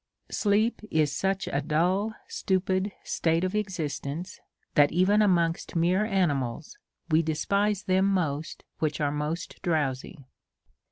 Sleep is such a dull stupid state of existence, that even amongst mere animals, we despise them most which are most drowsy.